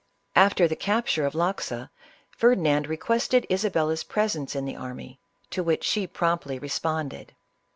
After the capture of Loxa, Ferdinand requested Isa bella's presence in the army, to which she promptly responded.